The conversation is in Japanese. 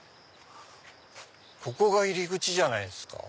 ここが入り口じゃないですか？